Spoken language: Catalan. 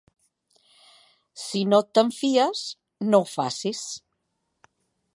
Si no te'n fies, no ho facis.